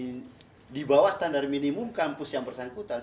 jika pik nya di bawah standar minimum kampus yang bersangkutan